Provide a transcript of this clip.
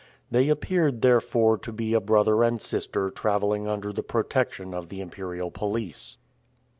They appeared, therefore, to be a brother and sister traveling under the protection of the imperial police.